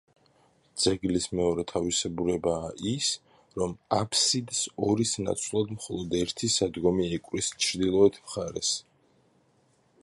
ძეგლის მეორე თავისებურებაა ის, რომ აფსიდს ორის ნაცვლად მხოლოდ ერთი სადგომი ეკვრის ჩრდილოეთ მხარეს.